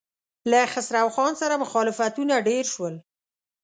له خسرو خان سره مخالفتونه ډېر شول.